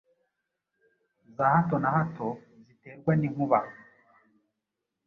za hato na hato ziterwa n’inkuba